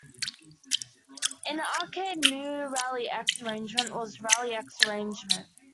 In the arcade, "New Rally-X Arrangement" was "Rally-X Arrangement".